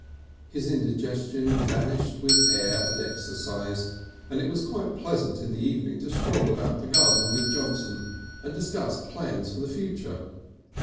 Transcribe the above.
His indigestion vanished with air and exercise, and it was quite pleasant in the evening to stroll about the garden with Johnson and discuss plans for the future.